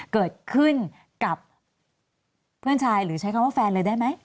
เกิดขึ้นกับเพื่อนชายหรือใช้คำว่าแฟนเลยได้ไหม